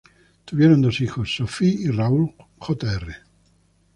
Tuvieron dos hijos: Sophie y Raúl Jr.